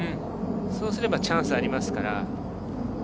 そうすればチャンスがありますから。